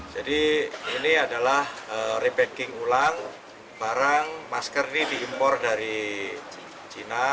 jadi ini adalah repacking ulang barang masker ini diimpor dari china